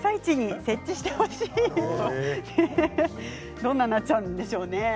どんなになっちゃうんでしょうね。